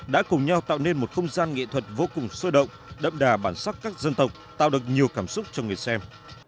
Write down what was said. đã cùng nhau tạo nên một không gian nghệ thuật vô cùng sôi động đậm đà bản sắc các dân tộc tạo được nhiều cảm xúc cho người xem